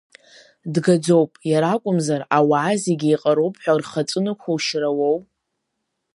Дгаӡоуп, иара акәымзар, ауаа зегьы еиҟароуп ҳәа рхы аҵәы нықәушьыр ауоу.